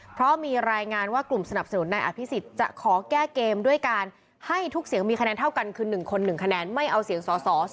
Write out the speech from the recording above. เพราะมีรายงานว่ากลุ่มสนับสนุนนายอภิษฎจะขอแก้เกมด้วยการให้ทุกเสียงมีคะแนนเท่ากันคือ๑คน๑คะแนนไม่เอาเสียงสอสอ